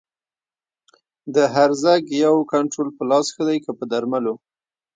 د هرزه ګیاوو کنټرول په لاس ښه دی که په درملو؟